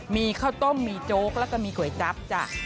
มีข้าวต้มมีโจ๊กแล้วก็มีก๋วยจั๊บจ้ะ